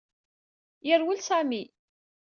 Yerwel Sami.